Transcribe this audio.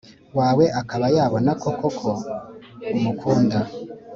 wawe akaba yabona ko koko umukunda